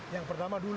yang pertama dulu